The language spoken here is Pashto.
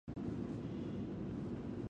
زۀ د يار غم په خپل قابو کښې راوستل غواړمه